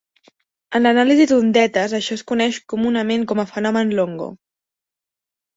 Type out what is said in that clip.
En l'anàlisi d'ondetes això es coneix comunament com a fenomen Longo.